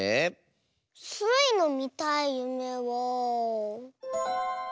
スイのみたいゆめは。